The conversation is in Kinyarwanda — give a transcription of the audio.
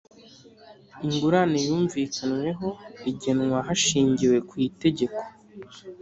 ingurane yumvikanyweho igenwa hashingiwe ku itegeko